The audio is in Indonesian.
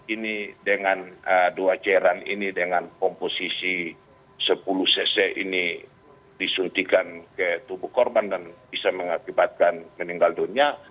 ini dengan dua cairan ini dengan komposisi sepuluh cc ini disuntikan ke tubuh korban dan bisa mengakibatkan meninggal dunia